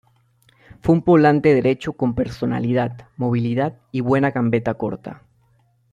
Fue un volante derecho con personalidad, movilidad y buena gambeta corta.